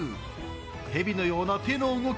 蛇のような手の動き